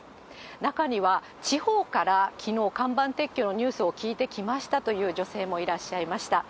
中には、地方からきのう、看板撤去の話を聞いてきましたという女性もいらっしゃいました。